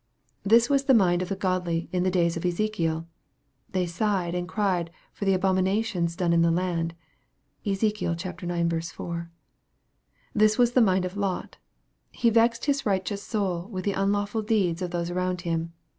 This was the mind of the godly in the days of Ezekiel :" They sighed and cried for the abominations done in the land." (Ezek. ix. 4.) This was the mind of Lot :" He vexed his righteous soul with the unlawful deeds" of those around him.